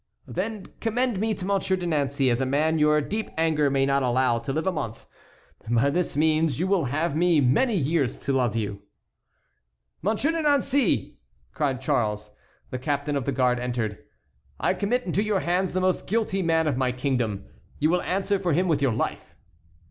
"Then commend me to Monsieur de Nancey as a man your deep anger may not allow to live a month. By this means you will have me many years to love you." "Monsieur de Nancey!" cried Charles. The captain of the guards entered. "I commit into your hands the most guilty man of my kingdom. You will answer for him with your life."